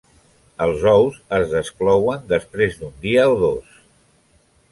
Els ous es desclouen després d'un dia o dos.